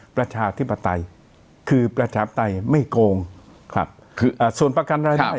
ประชาธิปไตยคือประชาปไตยไม่โกงครับคืออ่าส่วนประกันรายได้